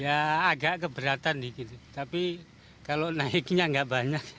ya agak keberatan tapi kalau naiknya nggak banyak